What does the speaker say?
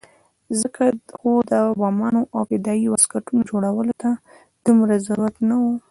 ځکه خو د بمانو او فدايي واسکټونو جوړولو ته دومره ضرورت نه وو.